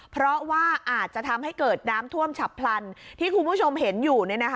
เพราะว่าอาจจะทำให้เกิดน้ำท่วมฉับพลันที่คุณผู้ชมเห็นอยู่